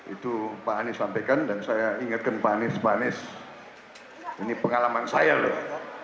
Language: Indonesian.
itu pak anies sampaikan dan saya ingatkan pak anies pak anies ini pengalaman saya loh